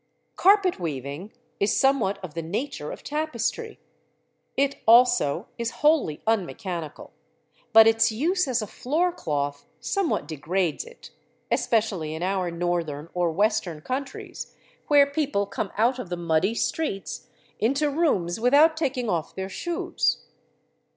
Carpet weaving is somewhat of the nature of Tapestry: it also is wholly unmechanical, but its use as a floor cloth somewhat degrades it, especially in our northern or western countries, where people come out of the muddy streets into rooms without taking off their shoes.